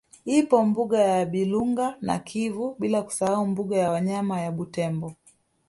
Ipo mbuga ya Bilunga na Kivu bila kusahau mbuga ya wanyama ya Butembo